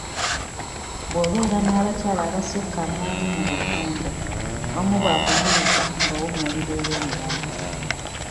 Bw'obeera n'abakyala abassuka mu omu mu bufumbo omu bw'akunyiiza ng'owummulira ew'omulala.